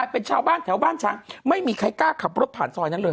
เป็นชาวบ้านแถวบ้านช้างไม่มีใครกล้าขับรถผ่านซอยนั้นเลย